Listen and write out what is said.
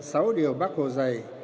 sáu điều bác hồ dạy